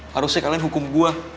harusnya kalian hukum gua